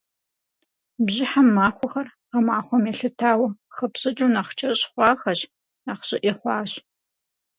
Бжьыхьэм махуэхэр, гъэмахуэм елъытауэ, хэпщӏыкӏыу нэхъ кӏэщӏ хъуахэщ, нэхъ щӏыӏи хъуащ.